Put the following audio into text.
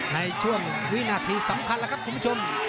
ในช่วงวินาทีสำคัญแล้วครับคุณผู้ชม